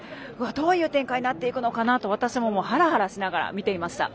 どういう展開になっていくのかなと私もハラハラしながら見ていました。